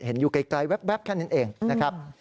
เห็นอยู่ไกลแค่นั้นเองนะครับ